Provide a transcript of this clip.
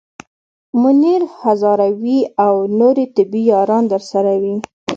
منیر هزاروی او نورې طبې یاران درسره وي.